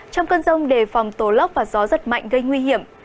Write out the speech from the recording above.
trong cơn rông đề phòng tổ lóc và gió rất mạnh gây nguy hiểm